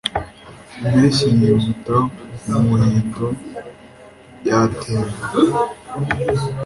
Impeshyi yihuta mumuhindo yatemba